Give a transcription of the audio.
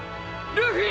ルフィ！